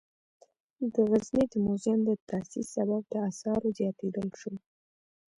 د غزني د موزیم د تاسیس سبب د آثارو زیاتیدل شول.